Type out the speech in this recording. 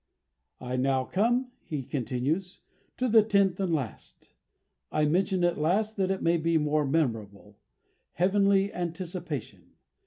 "I now come," he continues, "to the tenth and last. I mention it last that it may be more memorable heavenly anticipation.